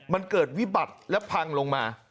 มันเกิดวิบัติและพังลงมา